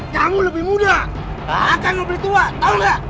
kamu lebih muda akang lebih tua tahu gak